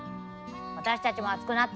私たちも熱くなった。